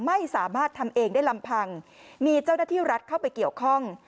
ไม่สามารถทำเองได้ลำพังมีเจ้าหน้าที่รัฐเข้าไปเกี่ยวข้อง